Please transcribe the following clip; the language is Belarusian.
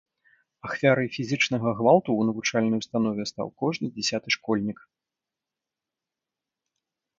Ахвярай фізічнага гвалту ў навучальнай установе стаў кожны дзясяты школьнік.